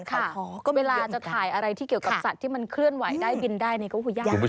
ก็เวลาจะถ่ายอะไรที่เกี่ยวกับสัตว์ที่มันเคลื่อนไหวได้บินได้นี่ก็คือยากมาก